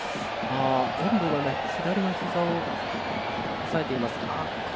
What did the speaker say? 遠藤が左のひざを押さえています。